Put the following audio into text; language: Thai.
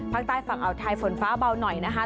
ภาคใต้ฝั่งอ่าวไทยฝนฟ้าเบาหน่อยนะคะ